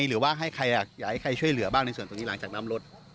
หรือว่าให้ใครอยากให้ใครช่วยเหลือบ้างในส่วนตรงนี้หลังจากนำรถ